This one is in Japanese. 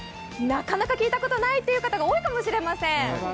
なかなか聞いたことない方が多いかもしれません。